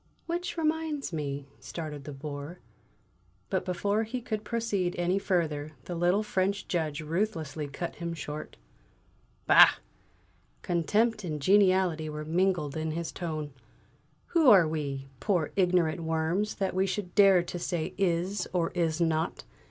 "Which reminds me " started the Bore. But before he could proceed any further the little French Judge ruthlessly cut him short. "Bah!" Contempt and geniality were mingled in his tone. "Who are we, poor ignorant worms, that we should dare to say 'is' or 'is not'?